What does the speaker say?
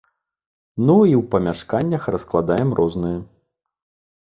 Ну, і ў памяшканнях раскладаем рознае.